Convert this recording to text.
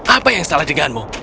apa yang salah denganmu